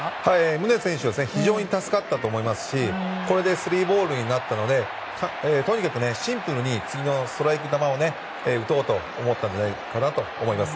宗選手は非常に助かったと思いますしこれでスリーボールになったのでシンプルに次のストライク球を打とうと思ったんじゃないかと思います。